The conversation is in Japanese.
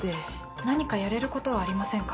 何かやれることはありませんか？